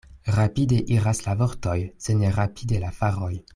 Rapide iras la vortoj, sed ne rapide la faroj.